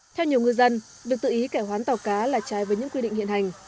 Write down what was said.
theo nhiều ngư dân việc tự ý cải hoán tàu cá là trái với những quy định hiện hành